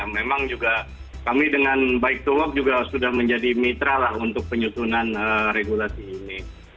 memang juga kami dengan bike to work juga sudah menjadi mitra untuk penyusunan regulasi ini